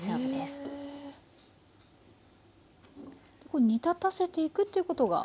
これ煮立たせていくということが。